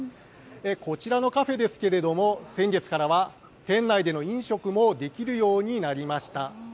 こちらのカフェですが先月からは店内での飲食もできるようになりました。